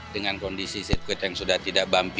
dengan kondisi sirkuit yang sudah tidak bumpy